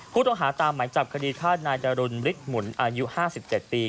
ผู้ต้องหาตามหมายจับคดีฆ่านายดารุณบริกหมุนอายุห้าสิบเจ็ดปี